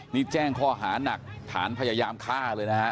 นี่แจ้งข้อหารักษ์ฐานพยายามฆ่าเลย